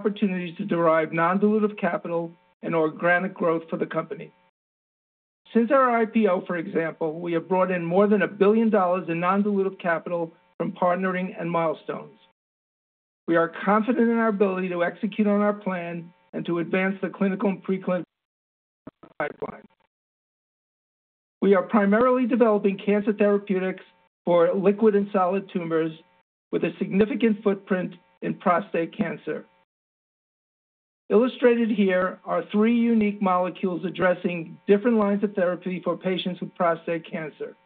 Opportunities to derive non-dilutive capital and organic growth for the company. Since our IPO, for example, we have brought in more than $1 billion in non-dilutive capital from partnering and milestones. We are confident in our ability to execute on our plan and to advance the clinical and pre-clinical pipeline. We are primarily developing cancer therapeutics for liquid and solid tumors with a significant footprint in prostate cancer. Illustrated here are three unique molecules addressing different lines of therapy for patients with prostate cancer.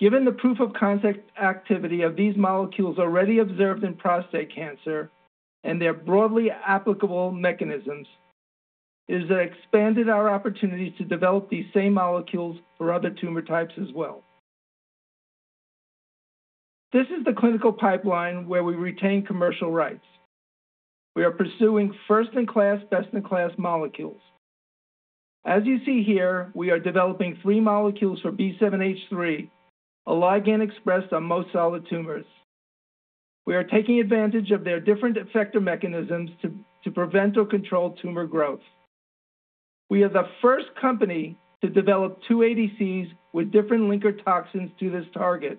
Given the proof of concept activity of these molecules already observed in prostate cancer and their broadly applicable mechanisms, has thus expanded our opportunities to develop these same molecules for other tumor types as well. This is the clinical pipeline where we retain commercial rights. We are pursuing first-in-class, best-in-class molecules. As you see here, we are developing three molecules for B7-H3, a ligand expressed on most solid tumors. We are taking advantage of their different effector mechanisms to prevent or control tumor growth. We are the first company to develop two ADCs with different linker toxins to this target,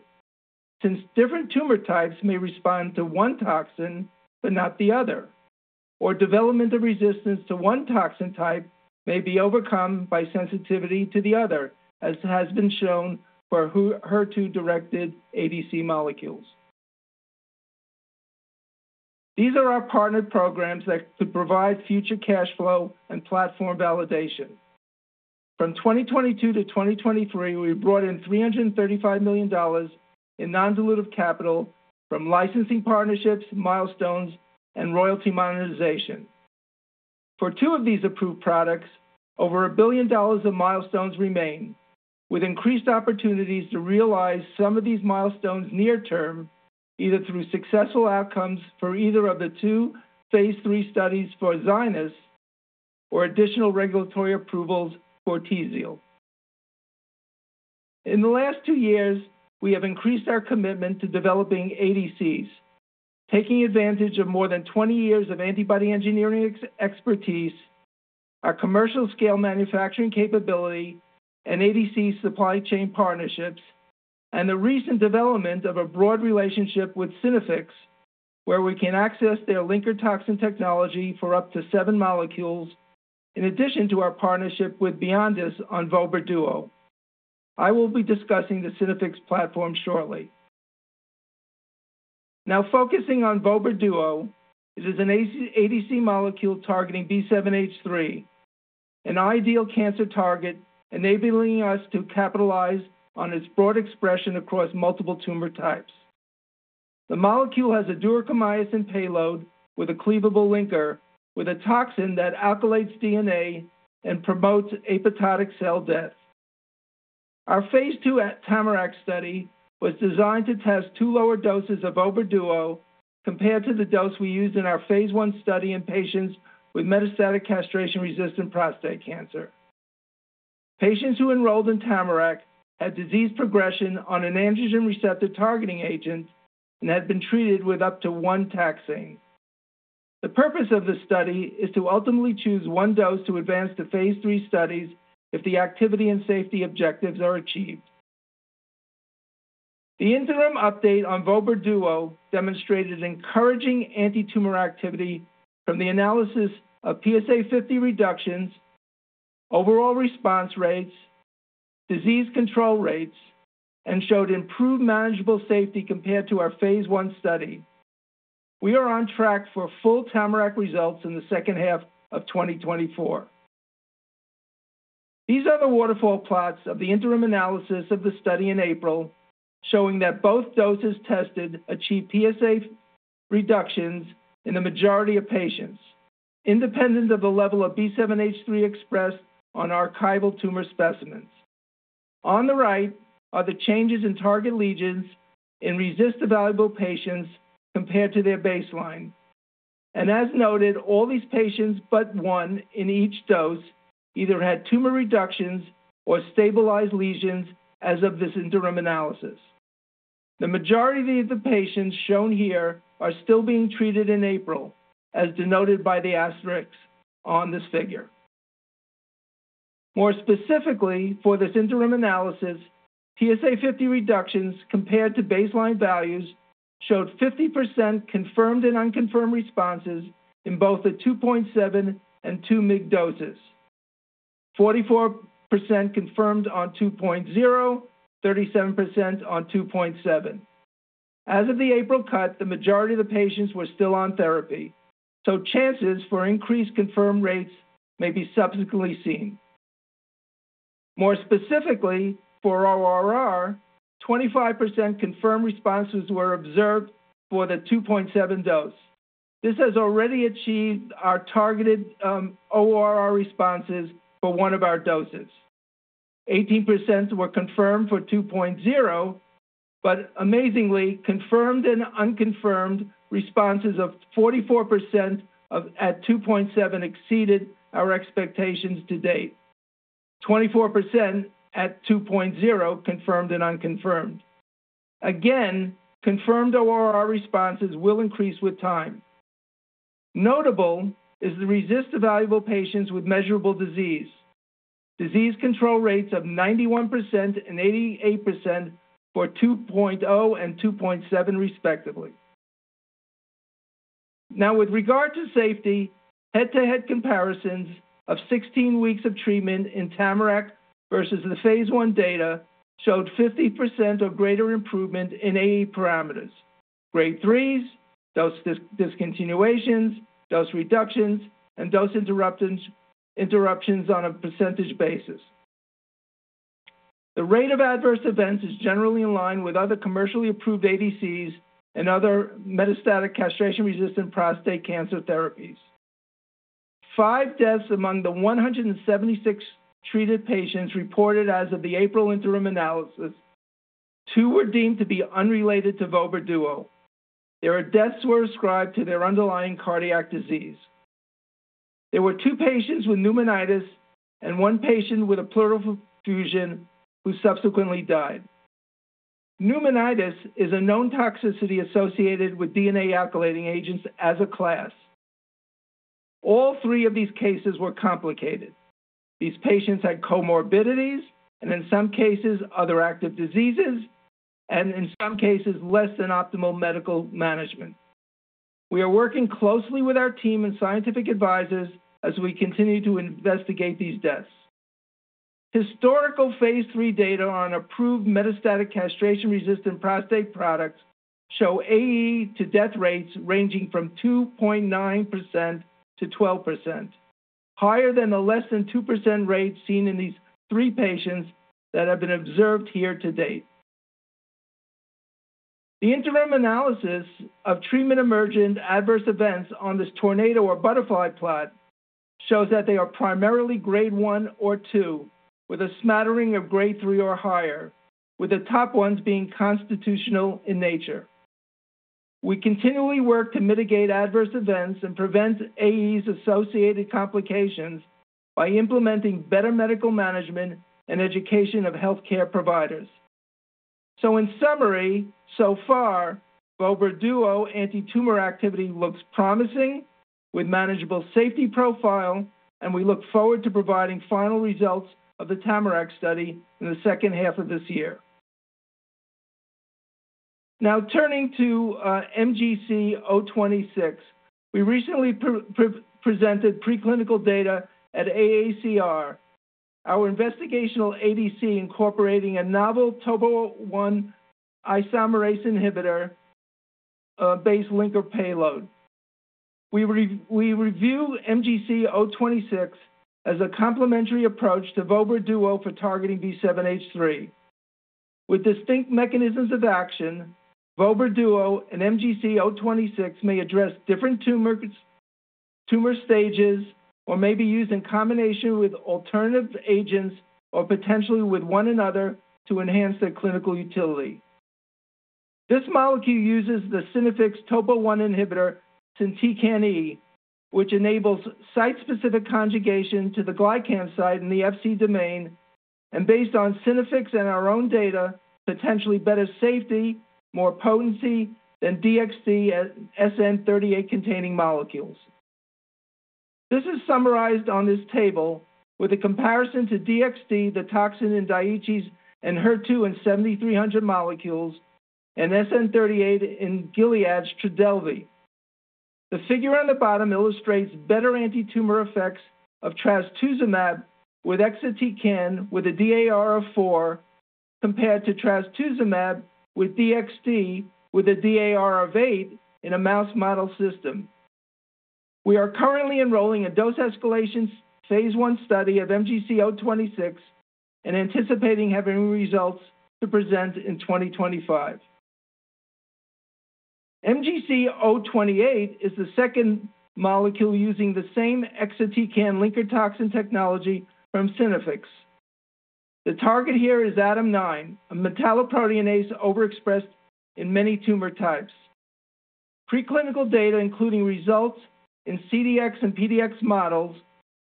since different tumor types may respond to one toxin but not the other, or development of resistance to one toxin type may be overcome by sensitivity to the other, as has been shown for HER2-directed ADC molecules. These are our partnered programs that could provide future cash flow and platform validation. From 2022 to 2023, we brought in $335 million in non-dilutive capital from licensing partnerships, milestones, and royalty monetization. For two of these approved products, over $1 billion of milestones remain, with increased opportunities to realize some of these milestones near term, either through successful outcomes for either of the two phase III studies for Zynyz or additional regulatory approvals for Tzield. In the last two years, we have increased our commitment to developing ADCs, taking advantage of more than 20 years of antibody engineering expertise, our commercial-scale manufacturing capability and ADC supply chain partnerships, and the recent development of a broad relationship with Synaffix, where we can access their linker toxin technology for up to 7 molecules, in addition to our partnership with Byondis on Vobra Duo. I will be discussing the Synaffix platform shortly. Now, focusing on Vobra Duo, it is an ADC molecule targeting B7-H3, an ideal cancer target, enabling us to capitalize on its broad expression across multiple tumor types. The molecule has a duocarmycin payload with a cleavable linker, with a toxin that alkylates DNA and promotes apoptotic cell death. Our phase II Tamarack study was designed to test two lower doses of Vobra Duo compared to the dose we used in our phase I study in patients with metastatic castration-resistant prostate cancer. Patients who enrolled in Tamarack had disease progression on an androgen receptor targeting agent and had been treated with up to one taxane. The purpose of this study is to ultimately choose one dose to advance to phase III studies if the activity and safety objectives are achieved. The interim update on Vobra Duo demonstrated encouraging antitumor activity from the analysis of PSA 50 reductions, overall response rates, disease control rates, and showed improved manageable safety compared to our phase I study. We are on track for full Tamarack results in the second half of 2024. These are the waterfall plots of the interim analysis of the study in April, showing that both doses tested achieved PSA reductions in the majority of patients, independent of the level of B7-H3 expressed on archival tumor specimens. On the right are the changes in target lesions in RECIST-evaluable patients compared to their baseline. As noted, all these patients, but one in each dose, either had tumor reductions or stabilized lesions as of this interim analysis. The majority of the patients shown here are still being treated in April, as denoted by the asterisks on this figure. More specifically, for this interim analysis, PSA50 reductions compared to baseline values showed 50% confirmed and unconfirmed responses in both the 2.7- and 2-mg doses. 44% confirmed on 2.0, 37% on 2.7. As of the April cut, the majority of the patients were still on therapy, so chances for increased confirmed rates may be subsequently seen. More specifically, for ORR, 25% confirmed responses were observed for the 2.7 dose. This has already achieved our targeted ORR responses for one of our doses. 18% were confirmed for 2.0, but amazingly, confirmed and unconfirmed responses of 44% at 2.7 exceeded our expectations to date. 24% at 2.0, confirmed and unconfirmed. Again, confirmed ORR responses will increase with time. Notable is the response-evaluable patients with measurable disease. Disease control rates of 91% and 88% for 2.0 and 2.7, respectively. Now, with regard to safety, head-to-head comparisons of 16 weeks of treatment in TAMARACK versus the Phase I data showed 50% or greater improvement in AE parameters. Grade 3s, dose discontinuations, dose reductions, and dose interruptions on a percentage basis. The rate of adverse events is generally in line with other commercially approved ADCs and other metastatic castration-resistant prostate cancer therapies. Five deaths among the 176 treated patients reported as of the April interim analysis, two were deemed to be unrelated to Vobra Duo. These deaths were ascribed to their underlying cardiac disease. There were two patients with pneumonitis and one patient with a pleural effusion who subsequently died. Pneumonitis is a known toxicity associated with DNA alkylating agents as a class. All three of these cases were complicated. These patients had comorbidities, and in some cases, other active diseases, and in some cases, less than optimal medical management. We are working closely with our team and scientific advisors as we continue to investigate these deaths. Historical phase III data on approved metastatic castration-resistant prostate products show AE to death rates ranging from 2.9% to 12%, higher than the less than 2% rate seen in these three patients that have been observed here to date. The interim analysis of treatment-emergent adverse events on this tornado or butterfly plot shows that they are primarily grade one or two, with a smattering of grade three or higher, with the top ones being constitutional in nature. We continually work to mitigate adverse events and prevent AEs associated complications by implementing better medical management and education of healthcare providers. So in summary, so far, Vobra Duo antitumor activity looks promising with manageable safety profile, and we look forward to providing final results of the Tamarack study in the second half of this year. Now, turning to MGC026. We recently presented preclinical data at AACR, our investigational ADC, incorporating a novel topoisomerase I inhibitor based linker-payload. We view MGC026 as a complementary approach to Vobra Duo for targeting B7-H3. With distinct mechanisms of action, Vobra Duo and MGC026 may address different tumor stages, or may be used in combination with alternative agents or potentially with one another to enhance their clinical utility. This molecule uses the Synaffix topo I inhibitor, SYNtecan, which enables site-specific conjugation to the glycan site in the Fc domain, and based on Synaffix and our own data, potentially better safety, more potency than DXd, SN-38 containing molecules. This is summarized on this table with a comparison to DXd, the toxin in Daiichi's Enhertu and DS-7300 molecules and SN-38 in Gilead's Trodelvy. The figure on the bottom illustrates better antitumor effects of trastuzumab with exatecan with a DAR of four, compared to trastuzumab with DXd, with a DAR of eight in a mouse model system. We are currently enrolling a dose escalation phase I study of MGC026 and anticipating having results to present in 2025. MGC028 is the second molecule using the same exatecan linker toxin technology from Synaffix. The target here is ADAM9, a metalloproteinase overexpressed in many tumor types. Preclinical data, including results in CDX and PDX models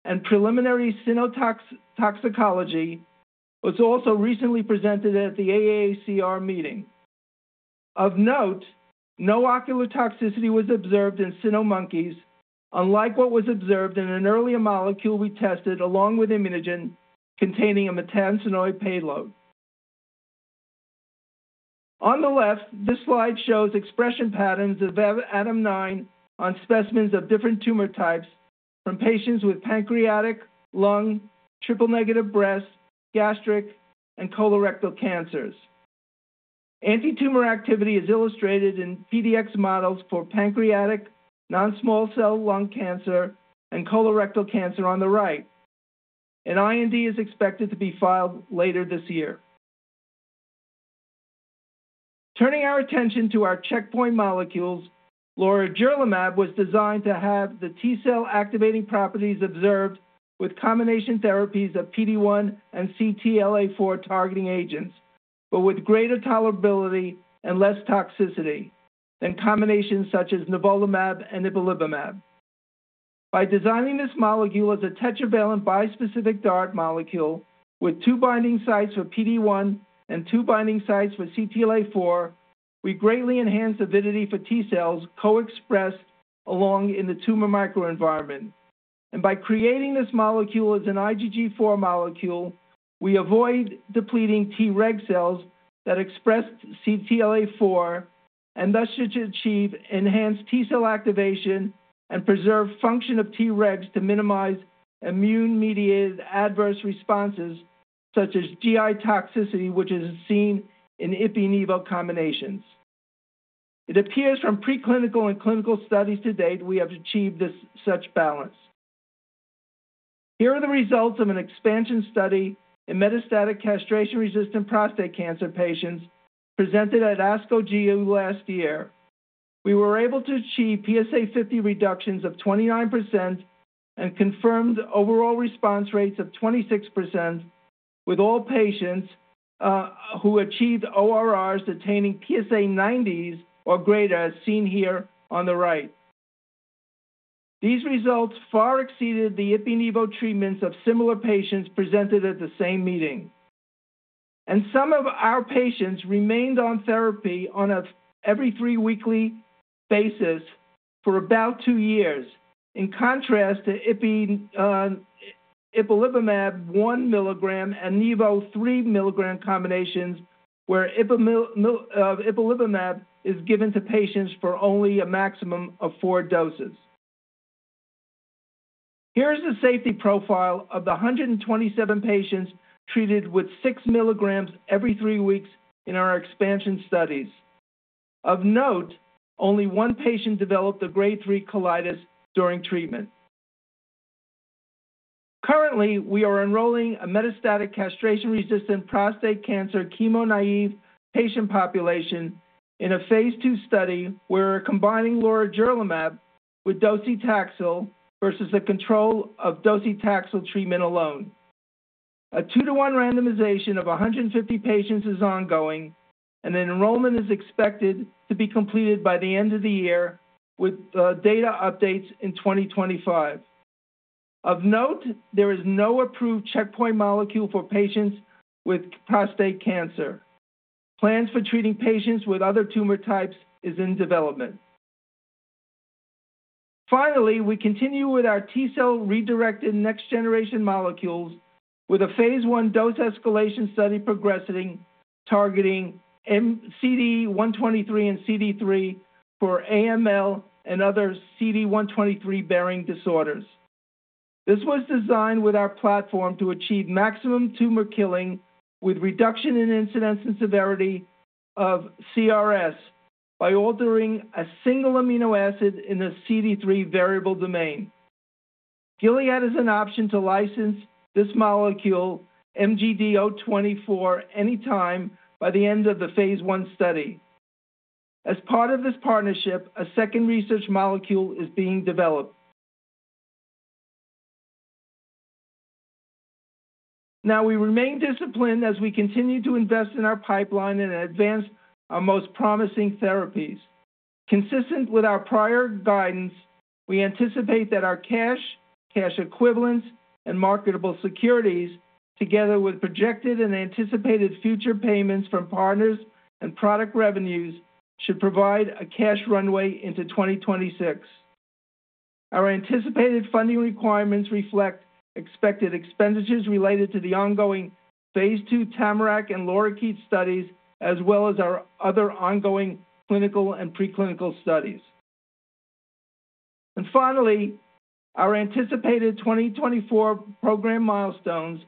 and preliminary cyno toxicology, was also recently presented at the AACR meeting. Of note, no ocular toxicity was observed in cyno monkeys, unlike what was observed in an earlier molecule we tested, along with ImmunoGen, containing a maytansinoid payload. On the left, this slide shows expression patterns of ADAM9 on specimens of different tumor types from patients with pancreatic, lung, triple-negative breast, gastric, and colorectal cancers. Antitumor activity is illustrated in PDX models for pancreatic, non-small cell lung cancer, and colorectal cancer on the right. An IND is expected to be filed later this year. Turning our attention to our checkpoint molecules, lorigerlimab was designed to have the T-cell activating properties observed with combination therapies of PD-1 and CTLA-4 targeting agents… but with greater tolerability and less toxicity than combinations such as nivolumab and ipilimumab. By designing this molecule as a tetravalent bispecific DART molecule with two binding sites for PD-1 and two binding sites for CTLA-4, we greatly enhance avidity for T cells co-expressed along in the tumor microenvironment. By creating this molecule as an IgG4 molecule, we avoid depleting T-reg cells that express CTLA-4, and thus should achieve enhanced T cell activation and preserve function of T-regs to minimize immune-mediated adverse responses such as GI toxicity, which is seen in ipi-nivo combinations. It appears from preclinical and clinical studies to date, we have achieved this such balance. Here are the results of an expansion study in metastatic castration-resistant prostate cancer patients presented at ASCO GU last year. We were able to achieve PSA 50 reductions of 29% and confirmed overall response rates of 26% with all patients who achieved ORRs attaining PSA 90s or greater, as seen here on the right. These results far exceeded the ipi-nivo treatments of similar patients presented at the same meeting. Some of our patients remained on therapy every 3 weekly basis for about 2 years. In contrast to ipi, ipilimumab 1 mg and nivo 3 mg combinations, where ipilimumab is given to patients for only a maximum of four doses. Here is the safety profile of the 127 patients treated with 6 mg every three weeks in our expansion studies. Of note, only one patient developed a grade 3 colitis during treatment. Currently, we are enrolling a metastatic castration-resistant prostate cancer chemo-naive patient population in a phase II study, where we're combining lorigerlimab with docetaxel versus a control of docetaxel treatment alone. A 2-to-1 randomization of 150 patients is ongoing, and the enrollment is expected to be completed by the end of the year, with data updates in 2025. Of note, there is no approved checkpoint molecule for patients with prostate cancer. Plans for treating patients with other tumor types is in development. Finally, we continue with our T-cell redirected next generation molecules with a phase I dose escalation study progressing, targeting CD123 and CD3 for AML and other CD123-bearing disorders. This was designed with our platform to achieve maximum tumor killing with reduction in incidence and severity of CRS by altering a single amino acid in a CD3 variable domain. Gilead has an option to license this molecule, MGD024, anytime by the end of the phase I study. As part of this partnership, a second research molecule is being developed. Now, we remain disciplined as we continue to invest in our pipeline and advance our most promising therapies. Consistent with our prior guidance, we anticipate that our cash, cash equivalents, and marketable securities, together with projected and anticipated future payments from partners and product revenues, should provide a cash runway into 2026. Our anticipated funding requirements reflect expected expenditures related to the ongoing phase II Tamarack and Lorikeet studies, as well as our other ongoing clinical and preclinical studies. Finally, our anticipated 2024 program milestones.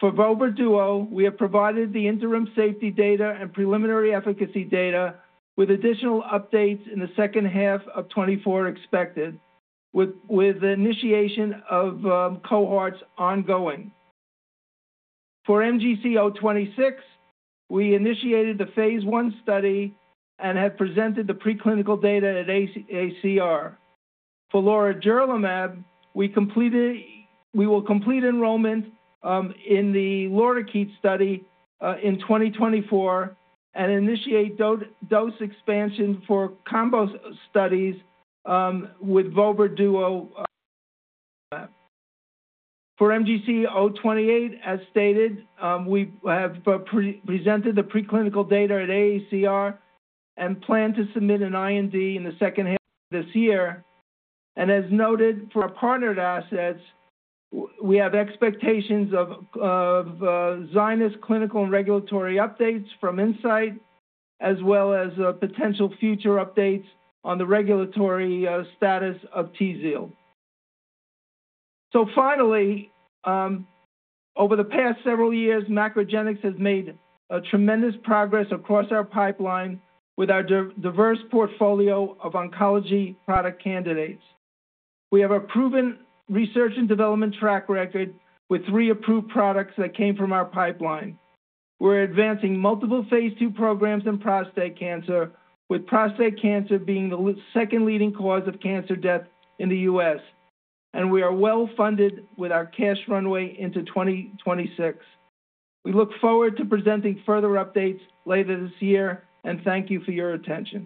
For Vobra Duo, we have provided the interim safety data and preliminary efficacy data, with additional updates in the second half of 2024 expected, with the initiation of cohorts ongoing. For MGC026, we initiated the phase I study and have presented the preclinical data at AACR. For Lorigerlimab, we completed. We will complete enrollment in the Lorikeet study in 2024 and initiate dose expansion for combo studies with Vobra Duo. For MGC028, as stated, we have presented the preclinical data at AACR and plan to submit an IND in the second half of this year. And as noted, for our partnered assets, we have expectations of Zynyz clinical and regulatory updates from Incyte, as well as potential future updates on the regulatory status of Tzield. So finally, over the past several years, MacroGenics has made tremendous progress across our pipeline with our diverse portfolio of oncology product candidates. We have a proven research and development track record with three approved products that came from our pipeline. We're advancing multiple phase 2 programs in prostate cancer, with prostate cancer being the second leading cause of cancer death in the U.S., and we are well-funded with our cash runway into 2026. We look forward to presenting further updates later this year, and thank you for your attention.